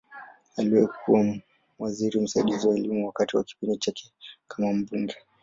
Aliwahi kuwa waziri msaidizi wa Elimu wakati wa kipindi chake kama mbunge.